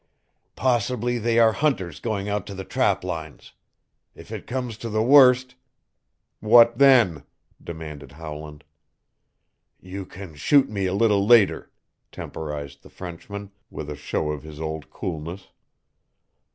Possibly they are hunters going out to the trap lines. If it comes to the worst " "What then?" demanded Howland. "You can shoot me a little later," temporized the Frenchman with a show of his old coolness.